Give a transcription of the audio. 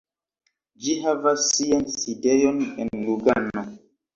Ĝi havas sian sidejon en Lugano.